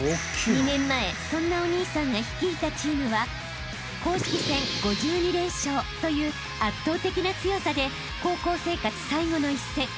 ［２年前そんなお兄さんが率いたチームは公式戦５２連勝という圧倒的な強さで高校生活最後の一戦